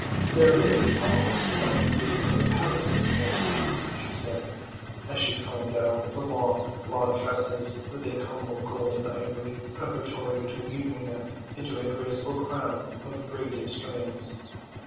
"There is tumult about the gates of the palace this morning," she said, as she combed out the long blonde tresses with a comb of gold and ivory, preparatory to weaving them into a graceful crown of braided strands.